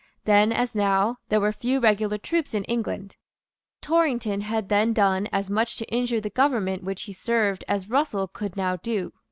Then, as now, there were few regular troops in England. Torrington had then done as much to injure the government which he served as Russell could now do.